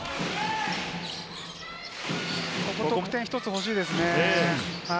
ここも得点、１つ欲しいですね。